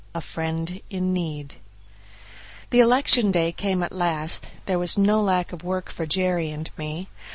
43 A Friend in Need The election day came at last; there was no lack of work for Jerry and me.